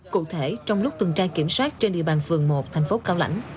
cụ thể trong lúc tuần tra kiểm soát trên địa bàn phường một thành phố cao lãnh